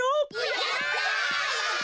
やった！